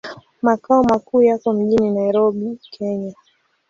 Makao makuu yako mjini Nairobi, Kenya.